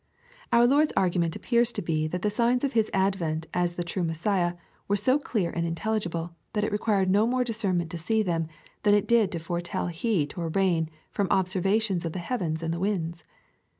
] Our Lord's argument appears to be that the signs of His advent as the true Messiah, were so clear and intelligible, that it required no more discernment to see them, than it did to foretel heat or rain from observations of the heavens and the winds.